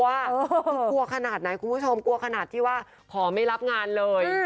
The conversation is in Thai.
คือกลัวขนาดไหนคุณผู้ชมกลัวขนาดที่ว่าขอไม่รับงานเลย